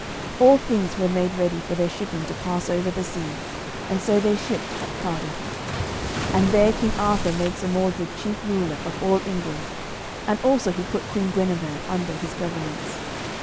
All things were made ready for their shipping to pass over the sea, and so they shipped at Cardiff. And there King Arthur made Sir Mordred chief ruler of all England, and also he put Queen Guenever under his governance.